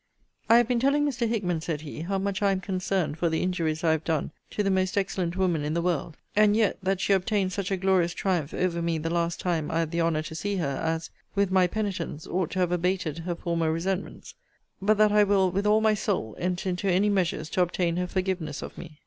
I have been telling Mr. Hickman, said he, how much I am concerned for the injuries I have done to the most excellent woman in the world: and yet, that she obtained such a glorious triumph over me the last time I had the honour to see her, as, with my penitence, ought to have abated her former resentments: but that I will, with all my soul, enter into any measures to obtain her forgiveness of me.